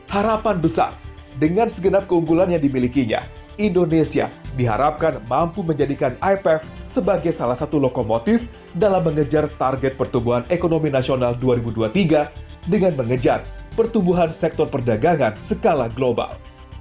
harapan besar dengan segenap keunggulan yang dimilikinya indonesia diharapkan mampu menjadikan ipf sebagai salah satu lokomotif dalam mengejar target pertumbuhan ekonomi nasional dua ribu dua puluh tiga dengan mengejar pertumbuhan sektor perdagangan skala global